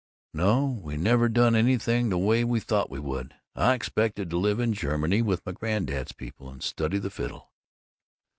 "No. We've never done anything the way we thought we would. I expected to live in Germany with my granddad's people, and study the fiddle."